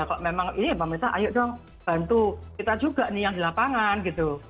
kalau memang ini ya pemerintah ayo dong bantu kita juga nih yang di lapangan gitu